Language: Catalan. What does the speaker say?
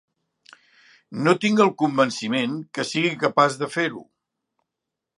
No tinc el convenciment que sigui capaç de fer-ho.